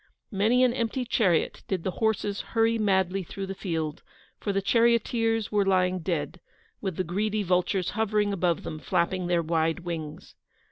Many an empty chariot did the horses hurry madly through the field, for the charioteers were lying dead, with the greedy vultures hovering above them, flapping their wide wings.